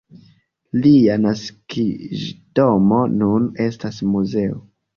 Lia naskiĝdomo nun estas muzeo.